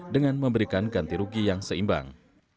dengan memberikan ganti rugi yang seimbang